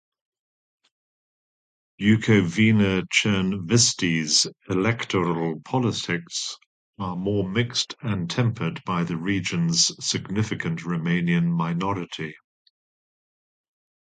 Bukovina-Chernvisti's electoral politics are more mixed and tempered by the region's significant Romanian minority.